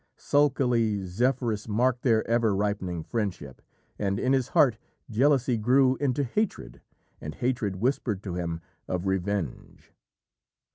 Sulkily Zephyrus marked their ever ripening friendship, and in his heart jealousy grew into hatred, and hatred whispered to him of revenge.